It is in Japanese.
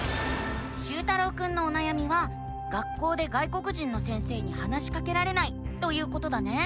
しゅうたろうくんのおなやみは「学校で外国人の先生に話しかけられない」ということだね。